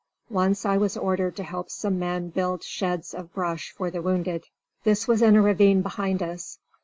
Once I was ordered to help some men build sheds of brush for the wounded. This was in a ravine behind us.